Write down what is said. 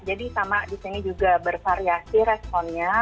jadi sama disini juga bervariasi responnya